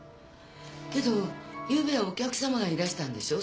けど昨夜はお客様がいらしたんでしょう？